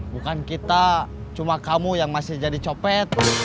bukan kita cuma kamu yang masih jadi copet